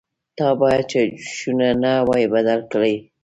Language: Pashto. _تا بايد چايجوشه نه وای بدله کړې.